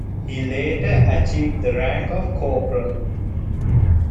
He later achieved the rank of corporal.